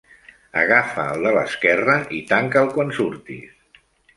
Agafa el de l'esquerra i tanca'l quan surtis.